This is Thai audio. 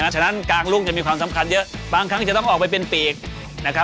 ฉะนั้นกางรุ่งจะมีความสำคัญเยอะบางครั้งจะต้องออกไปเป็นปีก